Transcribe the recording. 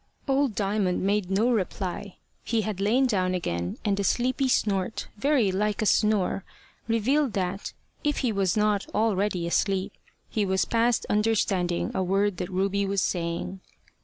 Old Diamond made no reply. He had lain down again, and a sleepy snort, very like a snore, revealed that, if he was not already asleep, he was past understanding a word that Ruby was saying.